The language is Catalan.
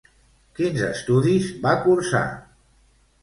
Quins estudis va cursar?